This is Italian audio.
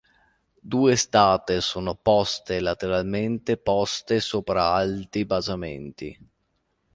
Due state sono poste lateralmente poste sopra alti basamenti.